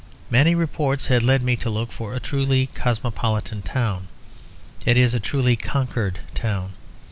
Many reports had led me to look for a truly cosmopolitan town, that is a truly conquered town.